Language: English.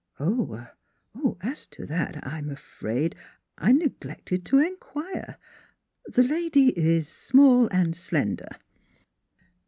"" Oh er as to that, I'm afraid I neglected to inquire. The lady is small and slender."